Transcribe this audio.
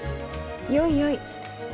よいよい。